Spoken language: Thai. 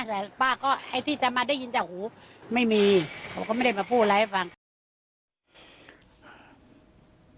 แต่ป้าก็ไอ้ที่จะมาได้ยินจากหูไม่มีเขาก็ไม่ได้มาพูดอะไรให้ฟัง